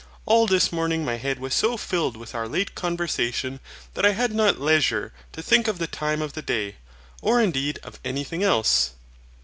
All this morning my head was so filled with our late conversation that I had not leisure to think of the time of the day, or indeed of anything else.